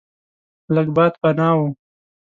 لږ باد پناه و.